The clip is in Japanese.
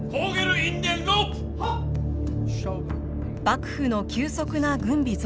幕府の急速な軍備増強。